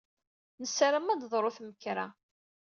Nessaram ad d-teḍru temkerra.